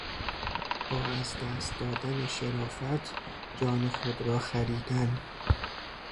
با از دست دادن شرافت جان خود را خریدن